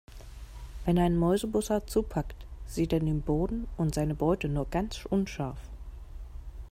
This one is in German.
Wenn ein Mäusebussard zupackt, sieht er den Boden und seine Beute nur ganz unscharf.